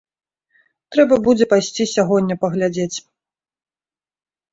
Трэба будзе пайсці сягоння паглядзець.